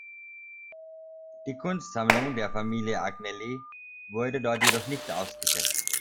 Die Kunstsammlung der Familie Agnelli wurde dort jedoch nicht ausgestellt.